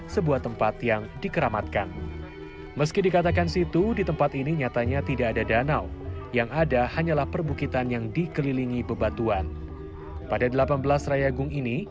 sama orang orang yang dekat yang jauh kan pada kumpul di sini